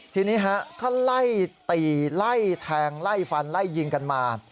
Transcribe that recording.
ทีนี้ฮะเขาไล่ตีไล่แทงไล่ฟันไล่ยิงกันมา